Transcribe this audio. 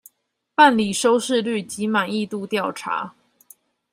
辦理收視率及滿意度調查